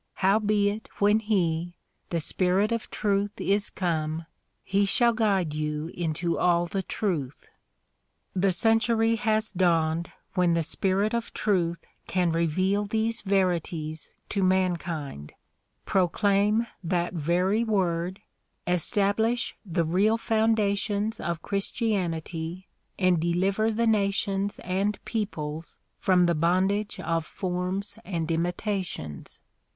Howbeit when he, the Spirit of truth is come, he shall guide you into all the truth." The century has dawned when the Spirit of truth can reveal these verities to mankind, proclaim that very Word, establish the real foundations of Christianity and deliver the nations and peoples from the bondage of fonns and imitations.